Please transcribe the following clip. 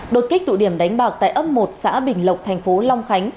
đột kích tụ điểm đánh bạc tại ấp một xã bình lộc thành phố long khánh